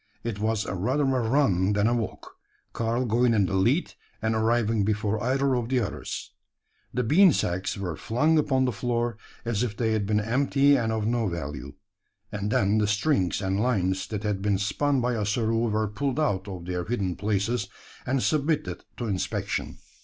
It was rather a run than a walk Karl going in the lead, and arriving before either of the others. The bean sacks were flung upon the floor as if they had been empty and of no value and then the strings and lines that had been spun by Ossaroo were pulled out of their hidden places, and submitted to inspection.